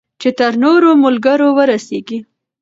چې تر نورو ملګرو ورسیږي.